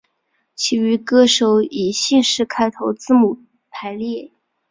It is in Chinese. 其余歌手以姓氏开头字母排列。